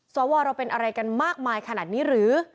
สวเราเป็นอะไรกันมากมายขนาดนี้หรือ